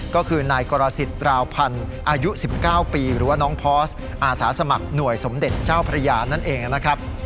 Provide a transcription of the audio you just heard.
ก็คือนายกรสิทธิราวพันธ์อายุ๑๙ปีหรือว่าน้องพอร์สอาสาสมัครหน่วยสมเด็จเจ้าพระยานั่นเองนะครับ